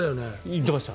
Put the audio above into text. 言ってました。